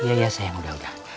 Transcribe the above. iya iya sayang udah udah